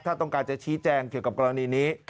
ถ้าต้องการจะชี้แจงเกี่ยวกับกรณีนี้